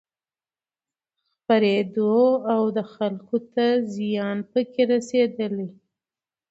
خپرېدو او دخلکو ته زيان پکې رسېدل